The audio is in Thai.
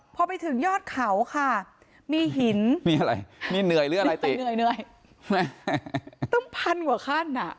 พอไปถึงยอดเขาค่ะมีหินต้องพันกว่าขั้น